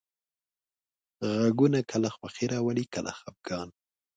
غږونه کله خوښي راولي، کله خپګان.